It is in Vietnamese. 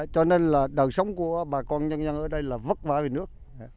cho nên là đời sống của bà con nhân dân ở đây là vất vả về nước